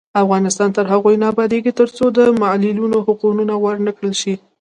افغانستان تر هغو نه ابادیږي، ترڅو د معلولینو حقونه ورکړل نشي.